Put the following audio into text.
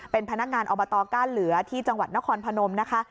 เป็นพนักงานอบตก้านเหลือที่จังหวัดนครพนมนะคะ